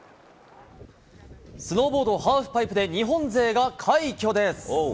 スノーボードハーフパイプで、日本勢が快挙です。